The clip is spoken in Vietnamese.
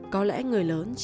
có lẽ người lớn